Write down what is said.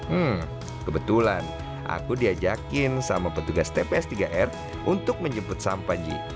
hmm kebetulan aku diajakin sama petugas tps tiga r untuk menjemput sampah ji